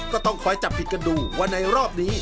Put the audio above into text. ก็ต้องคอยจับผิดกันดูว่าในรอบนี้